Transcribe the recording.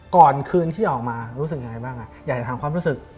ก่อนคืนที่ออกมารู้สึกยังไงบ้างอยากจะถามความรู้สึก